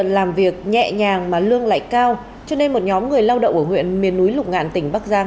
làm việc nhẹ nhàng mà lương lại cao cho nên một nhóm người lao động ở huyện miền núi lục ngạn tỉnh bắc giang